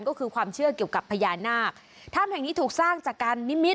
ก็คือความเชื่อเกี่ยวกับพญานาคถ้ำแห่งนี้ถูกสร้างจากการนิมิต